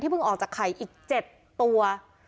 เพิ่งออกจากไข่อีก๗ตัว